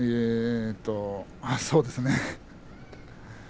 ああそうですね。